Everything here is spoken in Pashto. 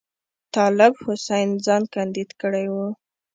طالب حسین ځان کاندید کړی وو.